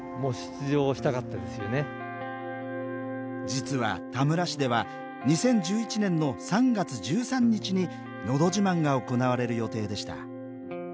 実は田村市では２０１１年の３月１３日に「のど自慢」が行われる予定でした。